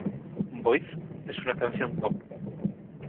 Boyz" es una canción Pop.